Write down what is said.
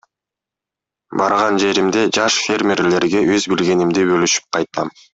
Барган жеримде жаш фермерлерге өз билгенимди бөлүшүп кайтам.